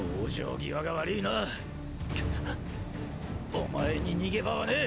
お前に逃げ場はねぇ！